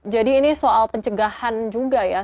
jadi ini soal pencegahan juga ya